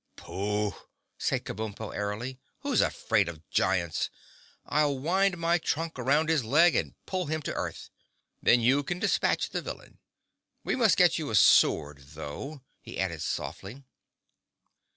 "Pooh!" said Kabumpo airily. "Who's afraid of giants? I'll wind my trunk around his leg and pull him to earth. Then you can dispatch the villain. We must get you a sword, though," he added softly.